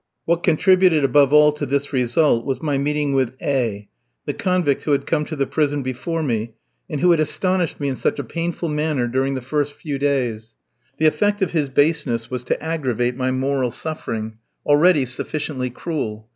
What contributed above all to this result was my meeting with A f, the convict who had come to the prison before me, and who had astonished me in such a painful manner during the first few days. The effect of his baseness was to aggravate my moral suffering, already sufficiently cruel.